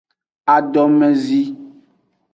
Adomezi.